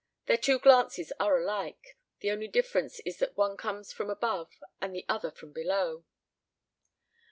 Their two glances are alike the only difference is that one comes from above and the other from below.